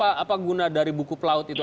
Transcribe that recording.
apa guna dari buku pelaut itu